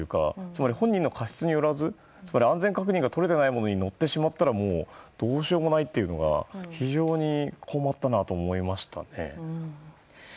つまり、本人の過失によらず安全の確認がとれていないものに乗ってしまったらどうしようもないというのが非常に困ったなと思いましたね。